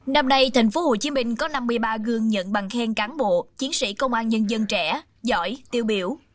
năm nay tp hcm có năm mươi ba gương nhận bằng khen cán bộ chiến sĩ công an nhân dân trẻ giỏi tiêu biểu